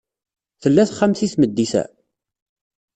Tella texxamt i tmeddit-a?